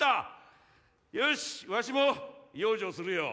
よしわしも養生するよ。